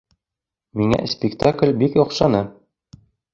Миңә спектакль бик оҡшаны